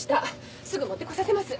すぐ持ってこさせます。